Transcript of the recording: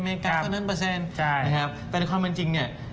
องกาเท่านั้นเปอร์เซ็นต์ใช่นะครับแต่ในความเป็นจริงเนี่ย